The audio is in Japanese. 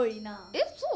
えっそう？